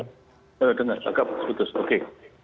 dengar aku putus putus oke